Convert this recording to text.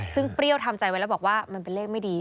ซึ่งเปรี้ยวทำใจไว้แล้วบอกว่ามันเป็นเลขไม่ดี